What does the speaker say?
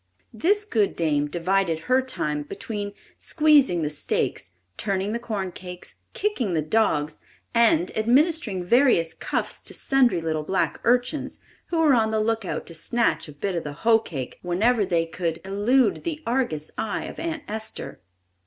This good dame divided her time between squeezing the steaks, turning the corn cakes, kicking the dogs and administering various cuffs to sundry little black urchins, who were on the lookout to snatch a bit of the "hoe cake" whenever they could elude the argus eyes of Aunt Esther.